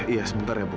iya sebentar ya bu